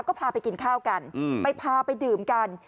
ก็พาไปกินข้าวกันไปพาไปดื่มกัน